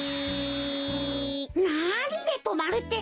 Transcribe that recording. なんでとまるってか！